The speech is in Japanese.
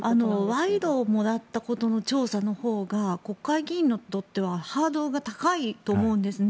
賄賂をもらったことの調査のほうが国会議員にとってはハードルが高いと思うんです。